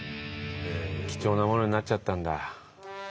貴重なものになっちゃったんだ。